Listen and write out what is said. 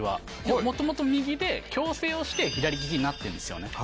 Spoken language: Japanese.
もともと右で矯正をして、左利きになってるんですよね。